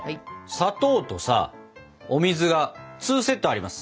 砂糖とさお水が２セットあります。